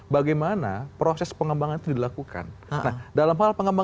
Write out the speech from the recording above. bang mas hinton mengakui ada oknum